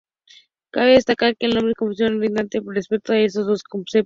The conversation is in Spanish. Cabe destacar la enorme confusión reinante respecto a estos dos conceptos.